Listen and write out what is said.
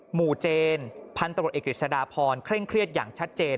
หมู่เจนพันตรวจเอกฤษฎาพรเคร่งเครียดอย่างชัดเจน